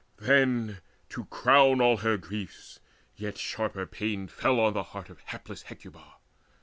Then, to crown all her griefs, yet sharper pain Fell on the heart of hapless Hecuba.